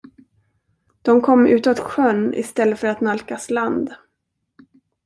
De kom utåt sjön i stället för att nalkas land.